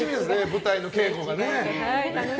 舞台の稽古がね。